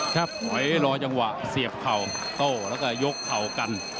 ถอยรอจังหวะเสียบเข่าโต้แล้วก็ยกเข่ากัน